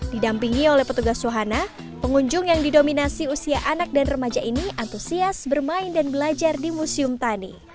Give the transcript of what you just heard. didampingi oleh petugas suhana pengunjung yang didominasi usia anak dan remaja ini antusias bermain dan belajar di museum tani